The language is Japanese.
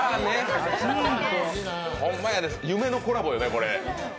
ホンマや夢のコラボやね、これ。